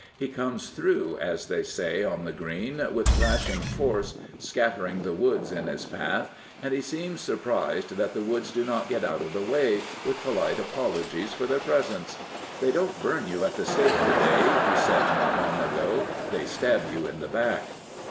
He " comes through,'* as they say on the green, with crashing force, scattering the woods " in his path, and he seems surprised that the woods do not get out of the way, with polite apologies for their presence. " They don't burn you at the stake to day," he said not long ago; " they stab you in the back."